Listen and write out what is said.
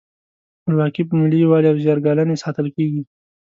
خپلواکي په ملي یووالي او زیار ګالنې ساتل کیږي.